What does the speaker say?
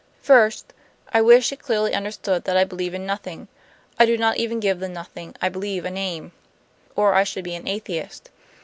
"First, I wish it clearly understood that I believe in nothing. I do not even give the nothing I believe a name; or I should be an atheist.